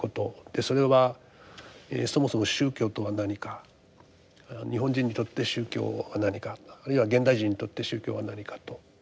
でそれはそもそも宗教とは何か日本人にとって宗教は何かあるいは現代人にとって宗教は何かと。